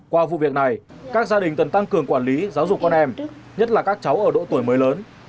qua vụ việc này các gia đình cần tăng cường quản lý giáo dục con em nhất là các cháu ở độ tuổi mới lớn